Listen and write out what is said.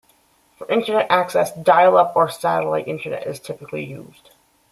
For Internet access, dial-up or satellite Internet is typically used.